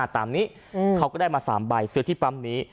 ตามนี้เขาก็ได้มา๓ใบซื้อที่ปั๊มนี้